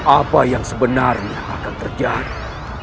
apa yang sebenarnya akan terjadi